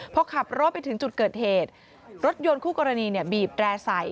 พอขับรถไปถึงจุดเกิดเหตุรถยนต์คู่กรณีเนี่ยบีบแร่ใส่